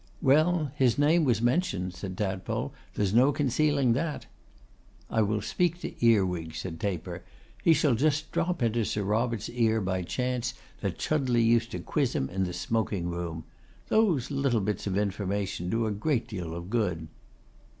'Well, his name was mentioned,' said Tadpole. 'There is no concealing that.' 'I will speak to Earwig,' said Taper. 'He shall just drop into Sir Robert's ear by chance, that Chudleigh used to quiz him in the smoking room. Those little bits of information do a great deal of good.